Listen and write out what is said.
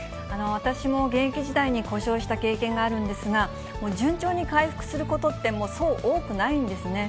私も現役時代に故障した経験があるんですが、順調に回復することって、そう多くないんですね。